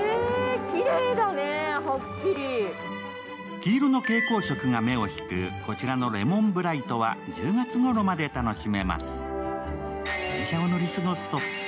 黄色の蛍光色が目を引く、こちらのレモンブライトは１０月ごろまで楽しめます。